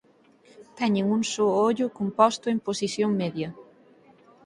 Teñen un só ollo composto en posición media.